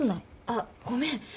あっごめん。